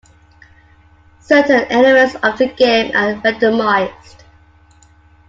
Certain elements of the game are randomized.